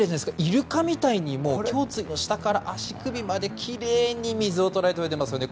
イルカみたいに胸椎の下から足首まできれいに水を捉えて泳いでいますよね。